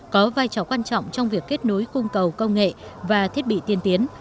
có vai trò quan trọng trong việc kết nối cung cầu công nghệ và thiết bị tiên tiến